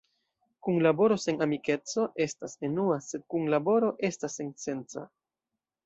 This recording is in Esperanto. Kunlaboro sen amikeco estas enua, sed kunlaboro estas sensenca.